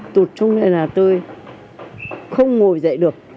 tụt xuống đây là tôi không ngồi dậy được